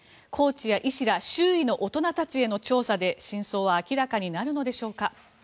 コーチや医師ら周囲の大人たちへの調査で真相は明らかになるのでしょうか。